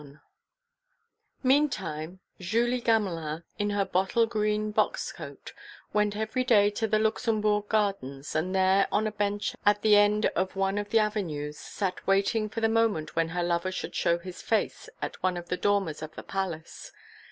XXI Meantime Julie Gamelin, in her bottle green box coat, went every day to the Luxembourg Gardens and there, on a bench at the end of one of the avenues, sat waiting for the moment when her lover should show his face at one of the dormers of the Palace.